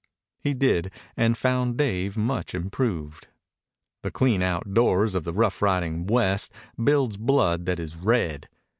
He did, and found Dave much improved. The clean outdoors of the rough riding West builds blood that is red.